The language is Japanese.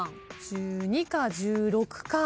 １２か１６か。